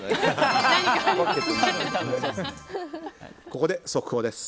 ここで速報です。